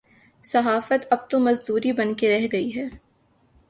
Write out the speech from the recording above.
صحافت اب تو مزدوری بن کے رہ گئی ہے۔